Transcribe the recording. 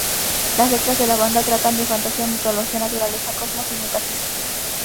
Las letras de la banda tratan de fantasía, mitología, naturaleza, cosmos y metafísica.